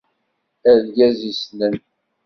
Argaz issnen.